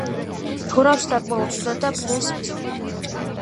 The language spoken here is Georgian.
ცურავს საკმაოდ ცუდად და ფრენს მძიმედ.